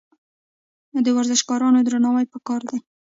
د ورزشکارانو درناوی پکار دی.